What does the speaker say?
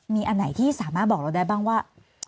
มีอันไหนที่สามารถบอกเราได้บ้างว่า